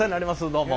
どうも。